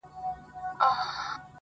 • د بشر په نوم ياديږي -